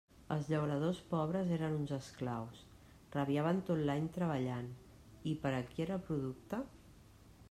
Els llauradors pobres eren uns esclaus; rabiaven tot l'any treballant, i per a qui era el producte?